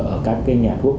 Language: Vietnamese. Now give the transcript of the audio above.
ở các nhà thuốc